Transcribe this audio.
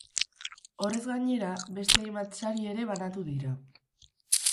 Horrez gainera, beste hainbat sari ere banatu dira.